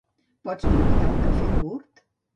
Pots preparar un cafè curt?